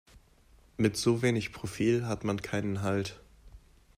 Mit so wenig Profil hat man keinen Halt.